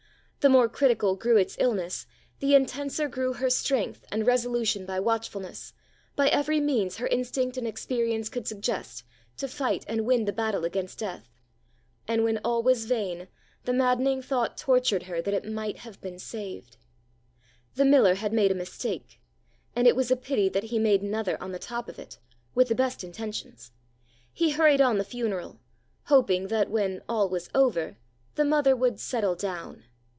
The more critical grew its illness, the intenser grew her strength and resolution by watchfulness, by every means her instinct and experience could suggest, to fight and win the battle against death. And when all was vain, the maddening thought tortured her that it might have been saved. The miller had made a mistake, and it was a pity that he made another on the top of it, with the best intentions. He hurried on the funeral, hoping that when "all was over" the mother would "settle down."